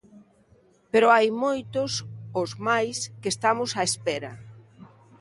Pero hai moitos, os máis, que estamos á espera.